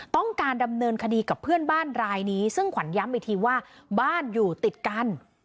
ต้องการดำเนินคดีกับเพื่อนบ้านรายนี้ซึ่งขวัญย้ำอีกทีว่าบ้านอยู่ติดกัน